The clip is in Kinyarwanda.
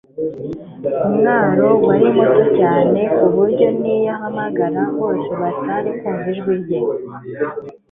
Umwaro wari muto cyane ku buryo n'iyo ahagarara, bose batari kumva ijwi rye;